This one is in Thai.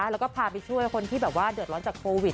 แล้วก็พาไปช่วยคนที่แบบว่าเดือดร้อนจากโควิด